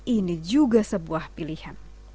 ini juga sebuah pilihan